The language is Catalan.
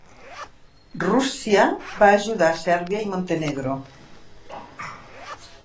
Rússia va ajudar a Serbia i Montenegro.